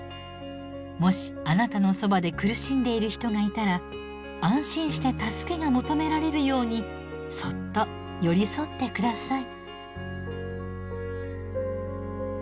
もしあなたのそばで苦しんでいる人がいたら安心して助けが求められるようにそっと寄り添って下さい。